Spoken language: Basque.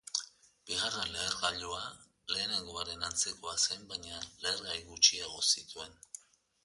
Bigarren lehergailua lehenengoaren antzekoa zen baina lehergai gutxiago zituen.